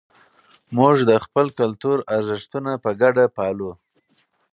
موږ د خپل کلتور ارزښتونه په ګډه پالو.